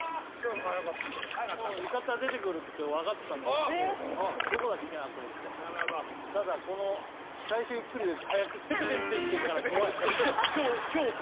もう浴衣出てくるって分かってたんだけどどこだっけな？と思ってなるほどただこの最初ゆっくりで速く「テケテンテンテン」から怖い恐怖